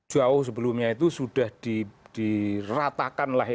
jauh sebelumnya itu sudah diratakan lah ya